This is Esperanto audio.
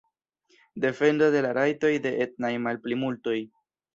Defendo de la rajtoj de etnaj malplimultoj.